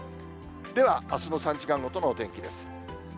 では、あすの３時間ごとのお天気です。